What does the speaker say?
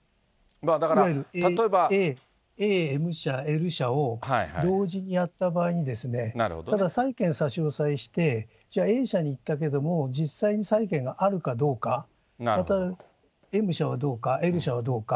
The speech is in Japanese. いわゆるＡ、Ｍ社、Ｌ社を、同時にやった場合に、ただ債権差し押さえして、じゃあ、Ａ社に行ったけども、実際に債権があるかどうか、また、Ｍ社はどうか、Ｌ社はどうか。